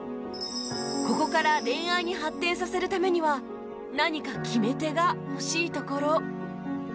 ここから恋愛に発展させるためには何か決め手が欲しいところ